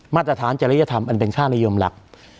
มาตรฐานจริยธรรมอันเป็นค่านิยมหลัก